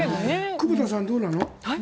久保田さん、どうなの？